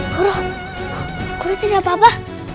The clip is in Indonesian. guru guru tidak apa apa